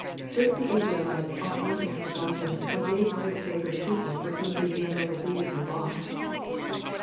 This the Israelites ought not to have forgotten, for they were the favoured people for whom these memorable deeds were wrought.